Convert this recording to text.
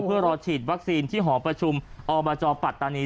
เพื่อรอฉีดวัคซีนที่หอประชุมอบจปัตตานี